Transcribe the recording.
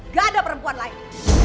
gak ada perempuan lain